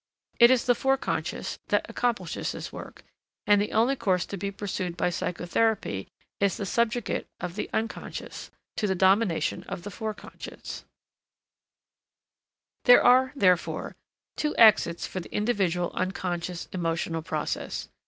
It is the foreconscious that accomplishes this work; and the only course to be pursued by psychotherapy is the subjugate the Unc, to the domination of the Forec. There are, therefore, two exits for the individual unconscious emotional process.